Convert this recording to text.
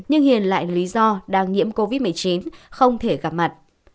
nhưng hiền lại lý do đang nhiễm covid một mươi chín không thể gặp mặt